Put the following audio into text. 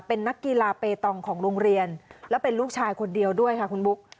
เป็นนักกีฬาเปตองของโรงเรียนแล้วเป็นลูกชายคนเดียวด้วยค่ะคุณบุ๊ค